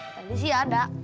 tadi sih ada